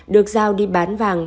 được giao đi bán vàng